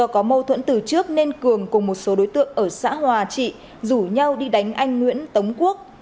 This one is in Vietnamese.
do mâu thuẫn từ trước nên cường cùng một số đối tượng ở xã hòa trị rủ nhau đi đánh anh nguyễn tống quốc